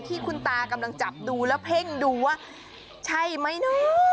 ที่คุณตากำลังจับดูแล้วเพ่งดูว่าใช่ไหมเนอะ